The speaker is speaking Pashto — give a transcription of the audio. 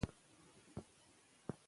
احمدشاه بابا په جګړه کې ډېر مهربان هم و.